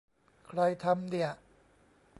ใครทำเนี่ย